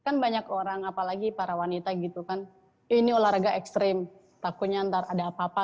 kan banyak orang apalagi para wanita gitu kan ini olahraga ekstrim takutnya ntar ada apa apa